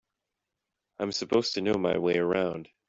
I'm supposed to know my way around.